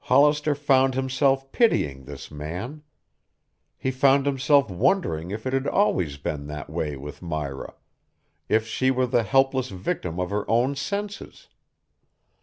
Hollister found himself pitying this man. He found himself wondering if it had always been that way with Myra, if she were the helpless victim of her own senses.